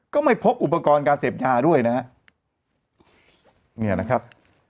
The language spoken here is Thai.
ก็ไม่พบอุปกรณ์การเสพยาด้วยนะฮะเนี่ยนะครับ